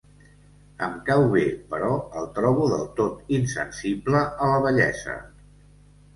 Em cau bé, però el trobo del tot insensible a la bellesa.